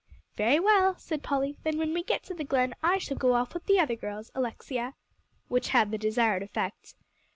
"Very well," said Polly, "then when we get to the Glen, I shall go off with the other girls, Alexia," which had the desired effect.